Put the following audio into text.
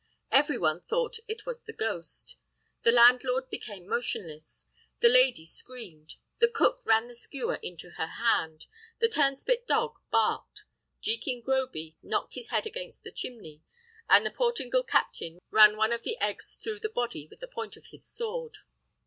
Every one thought it was the ghost. The landlord became motionless; the lady screamed, the cook ran the skewer into her hand; the turnspit dog barked; Jekin Groby knocked his head against the chimney; and the Portingal captain ran one of the eggs through the body with the point of his sword.